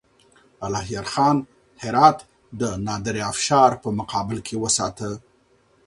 الهيار خان هرات د نادرافشار په مقابل کې وساته.